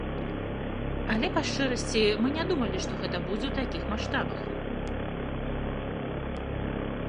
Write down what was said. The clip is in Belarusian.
Але па шчырасці, мы не думалі, што гэта будзе ў такіх маштабах.